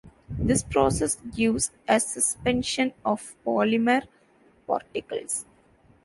This process gives a suspension of polymer particles.